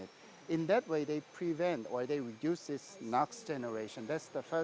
dengan cara ini mereka mengurangkan generasi nuklir